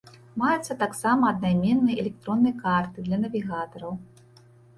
Маюцца таксама аднайменныя электронныя карты для навігатараў.